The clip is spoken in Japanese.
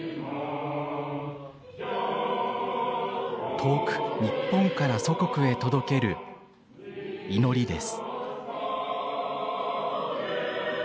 遠く日本から祖国へ届ける祈りです。